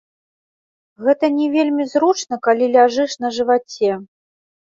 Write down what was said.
Гэта не вельмі зручна, калі ляжыш на жываце.